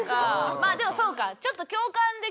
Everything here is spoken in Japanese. まあでもそうか。